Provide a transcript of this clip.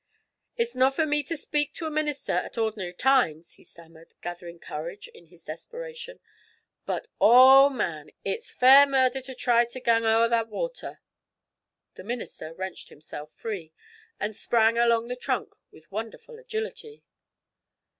'It's no' for me to speak to a minister at ordinar' times,' he stammered, gathering courage in his desperation; 'but, oh, man, it's fair murder to try to gang ower that water!' The minister wrenched himself free, and sprang along the trunk with wonderful agility.